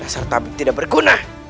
dasar tabib tidak berguna